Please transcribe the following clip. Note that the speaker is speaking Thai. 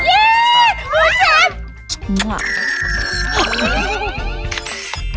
เยี่ยมมูลเชฟ